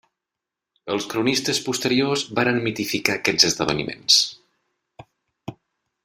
Els cronistes posteriors varen mitificar aquests esdeveniments.